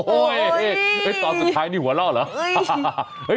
โอ้โหตอนสุดท้ายนี่หัวเล่าเหรอ